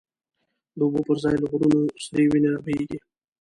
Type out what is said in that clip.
د اوبو پر ځای له غرونو، سری وینی را بهیږی